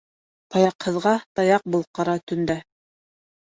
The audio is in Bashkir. Таяҡһыҙға таяҡ бул ҡара төндә